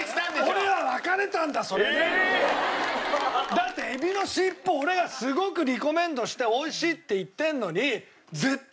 だってエビのしっぽ俺がすごくリコメンドして美味しいって言ってるのに絶対口つけなかったの。